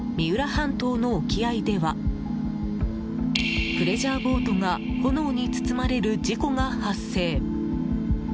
半島の沖合ではプレジャーボートが炎に包まれる事故が発生。